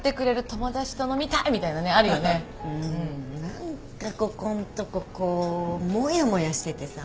何かここんとここうもやもやしててさ。